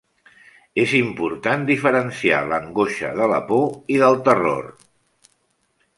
És important diferenciar l'angoixa de la por i del terror.